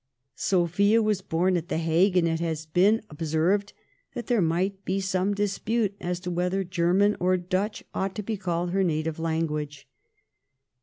Sophia was born at the Hague, and it has been observed that there might be some dispute as to whether German or Dutch ought to be called her native tongue.